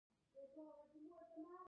بلوڅان په سیستان کې دي.